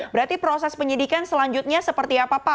berarti proses penyidikan selanjutnya seperti apa pak